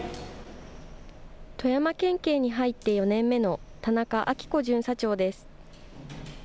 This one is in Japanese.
富山県警に入って４年目の田中明希子巡査長です。